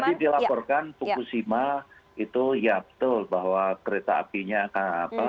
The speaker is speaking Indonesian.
tadi dilaporkan fukushima itu ya betul bahwa kereta apinya akan apa